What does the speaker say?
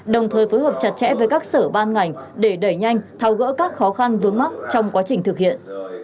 đồng thời phối hợp chặt chẽ với các sở ban ngành để đẩy nhanh thao gỡ các khó khăn vướng mắc trong quá trình thực hiện